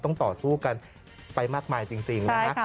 ต้องต่อสู้กันไปมากมายจริงนะฮะ